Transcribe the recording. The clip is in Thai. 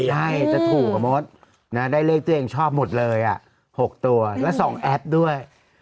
ใช่จะถูกกับมดได้เลขที่ตัวเองชอบหมดเลย๖ตัวแล้ว๒แอปด้วย